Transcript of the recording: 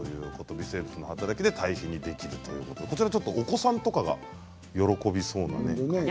微生物の働きで堆肥にできるということでこちらはお子さんとかは喜びそうなね。